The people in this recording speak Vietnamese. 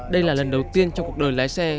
đây là lần đầu tiên trong cuộc đời lái xe